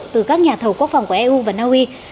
từ các nhà thầu quốc phòng của eu và naui